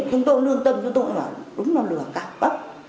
chúng tôi lương tâm chúng tôi nói là đúng là lửa cạp bắp